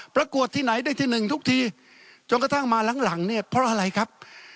ประกวดที่ไหนได้ที่หนึ่งทุกทีจนกระทั่งมาหลังหลังเนี่ยเพราะอะไรครับ